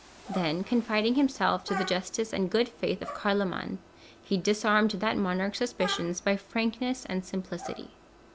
Then, confiding himself to the justice and good faith of Carloman, he disarmed that monarch's suspicions by frankness and simplicity.